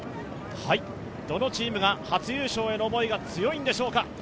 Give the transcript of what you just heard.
どのチームが初優勝への思いが強いんでしょうか？